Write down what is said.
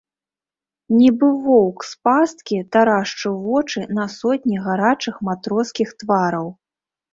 Нібы воўк з пасткі, тарашчыў вочы на сотні гарачых матроскіх твараў.